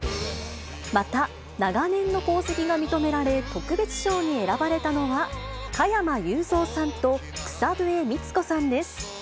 また長年の功績が認められ、特別賞に選ばれたのは、加山雄三さんと草笛光子さんです。